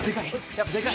やっぱでかい？